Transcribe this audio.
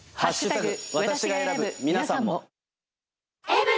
私が選ぶ、皆さんも。